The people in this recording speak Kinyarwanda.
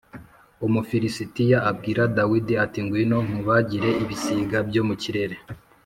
Umufilisitiya abwira Dawidi ati “Ngwino nkubagire ibisiga byo mu kirere